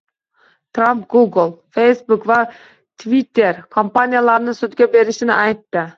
Tramp Google, Facebook va Twitter kompaniyalarini sudga berishini aytdi